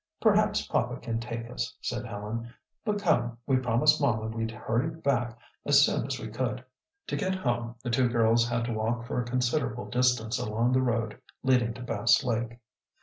"Perhaps papa can take us," said Helen. "But come, we promised mamma we'd hurry back as soon as we could." To get home the two girls had to walk for a considerable distance along the road leading to Bass Lake.